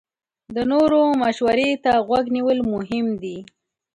د نورو مشورې ته غوږ نیول مهم دي.